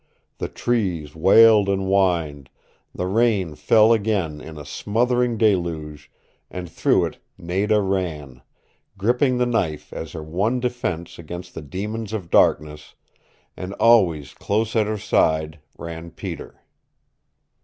The trees wailed and whined, the rain fell again in a smothering deluge, and through it Nada ran, gripping the knife as her one defense against the demons of darkness and always close at her side ran Peter.